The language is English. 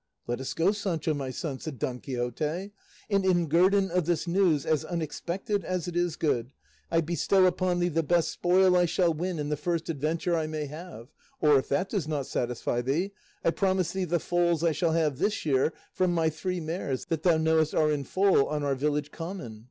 "Let us go, Sancho, my son," said Don Quixote, "and in guerdon of this news, as unexpected as it is good, I bestow upon thee the best spoil I shall win in the first adventure I may have; or if that does not satisfy thee, I promise thee the foals I shall have this year from my three mares that thou knowest are in foal on our village common."